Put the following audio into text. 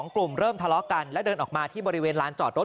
กลุ่มเริ่มทะเลาะกันและเดินออกมาที่บริเวณลานจอดรถ